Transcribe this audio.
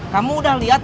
kamu udah liat